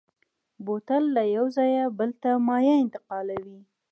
بوتل له یو ځایه بل ته مایع انتقالوي.